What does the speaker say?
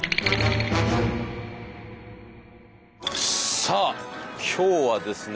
さあ今日はですね